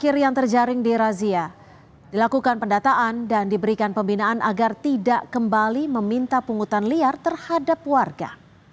yang terjaring di razia dilakukan pendataan dan diberikan pembinaan agar tidak kembali meminta pungutan liar terhadap warga